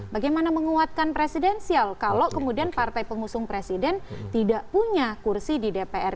bagaimana menguatkan presidensial kalau kemudian partai pengusung presiden tidak punya kursi di dpr